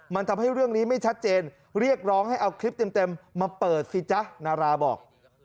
มันทำให้เรื่องนี้ไม่ชัดเจนเรียกร้องให้เอาคลิปเต็มมาเปิดสิจ๊ะนาราบอก